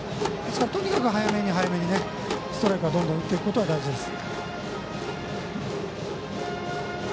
とにかく早めに早めにストライクを打っていくことが大事です。